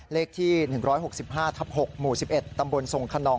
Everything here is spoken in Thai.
เลขที่๑๖๕ทับ๖หมู่๑๑ตำบลทรงขนอง